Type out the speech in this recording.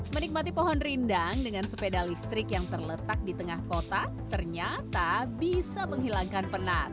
menikmati pohon rindang dengan sepeda listrik yang terletak di tengah kota ternyata bisa menghilangkan penat